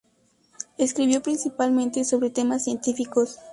Escribió principalmente sobre temas científicos.